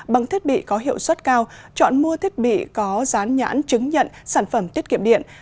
bằng thiết bị có hiệu suất cao chọn mua thiết bị có rán nhãn chứng nhận sản phẩm tiết kiệm điện